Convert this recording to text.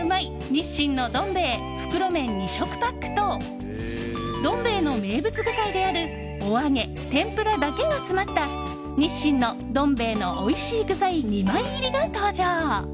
日清のどん兵衛袋麺２食パックとどん兵衛の名物具材であるおあげ、天ぷらだけが詰まった日清のどん兵衛のおいしい具材２枚入が登場。